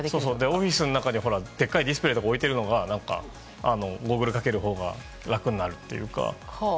オフィスの中ででかいディスプレー置くよりゴーグルをかけるほうが楽になるというか。